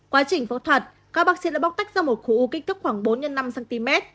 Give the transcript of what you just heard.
quá trình phẫu thuật các bác sĩ đã bóc tách ra một khối u kích tức khoảng bốn x năm cm